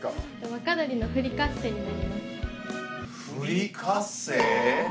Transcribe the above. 若鶏のフリカッセになります